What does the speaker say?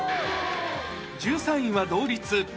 １３位は同率。